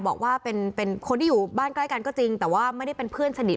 บอกว่าเป็นคนที่อยู่บ้านใกล้กันก็จริงแต่ว่าไม่ได้เป็นเพื่อนสนิท